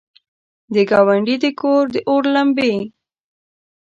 د ګاونډي د کور، داور لمبې!